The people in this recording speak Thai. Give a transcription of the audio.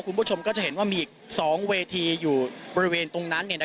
คุณผู้ชมก็จะเห็นว่ามีอีก๒เวทีอยู่บริเวณตรงนั้น